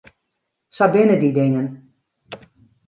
Sa binne dy dingen.